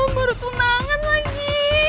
baru tunangan lagi